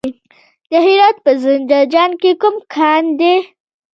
د هرات په زنده جان کې کوم کان دی؟